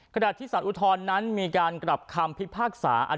กระดาษทฤษฎอุทรนั้นมีการกลับคำพิพากษา